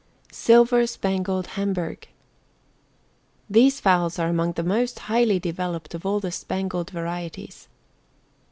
SILVER SPANGLED HAMBURG. These fowls are among the most highly developed of all the spangled varieties.